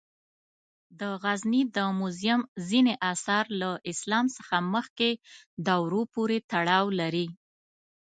د غزني د موزیم ځینې آثار له اسلام څخه مخکې دورو پورې تړاو لري.